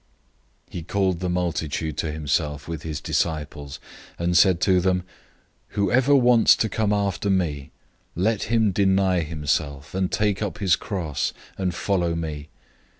008:034 He called the multitude to himself with his disciples, and said to them, "Whoever wants to come after me, let him deny himself, and take up his cross, and follow me.